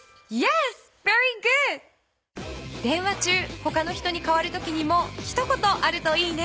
電話中他の人に代わるときにも一言あるといいね。